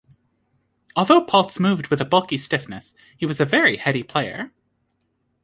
Although Paultz moved with a bulky stiffness, he was a very heady player.